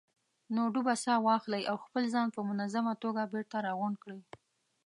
نو ډوبه ساه واخلئ او خپل ځان په منظمه توګه بېرته راغونډ کړئ.